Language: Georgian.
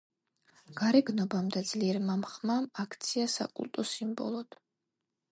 გარეგნობამ და ძლიერმა ხმამ აქცია საკულტო სიმბოლოდ.